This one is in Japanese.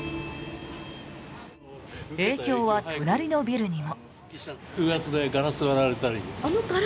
影響は隣のビルにも。